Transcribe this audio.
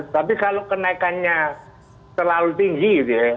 tapi kalau kenaikannya terlalu tinggi gitu ya